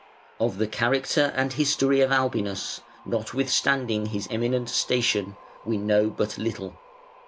Of the character and history of Albinus, notwithstanding his eminent station, we know but little.